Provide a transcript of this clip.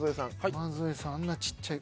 山添さんあんなちっちゃい。